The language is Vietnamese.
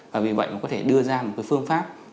và vì vậy mà có thể đưa ra một cái phương pháp